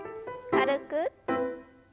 軽く。